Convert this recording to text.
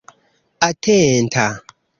atenta